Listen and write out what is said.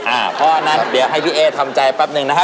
เพราะฉะนั้นเดี๋ยวให้พี่เอ๊ทำใจแป๊บหนึ่งนะฮะ